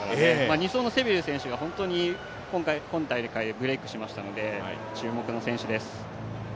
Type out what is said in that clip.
２走のセビル選手が今大会ブレークしましたので、注目の選手です。